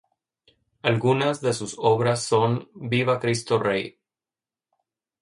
Algunas de sus obras son: "!Viva Cristo Rey!